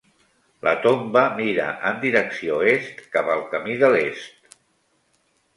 La tomba mira en direcció est cap al camí de l'est.